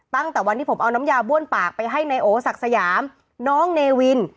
ตั้งแต่วันที่ผมเอาน้ำยาบ้วนปากไปให้นายโอศักดิ์สยามน้องเนวิน